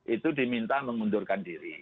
itu diminta mengundurkan diri